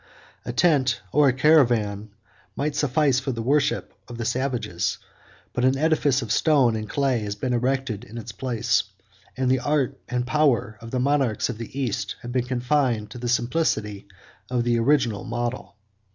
46 A tent, or a cavern, might suffice for the worship of the savages, but an edifice of stone and clay has been erected in its place; and the art and power of the monarchs of the East have been confined to the simplicity of the original model.